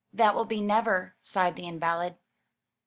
"That will be never," sighed the invalid.